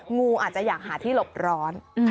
งูอาจจะอยากหาที่หลบร้อน